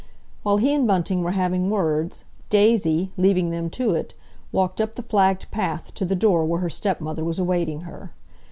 While he and Bunting were having words, Daisy, leaving them to it, walked up the flagged path to the door where her stepmother was awaiting her.